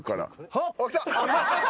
はっ！